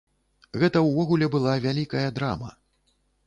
Гэта ўвогуле была вялікая драма.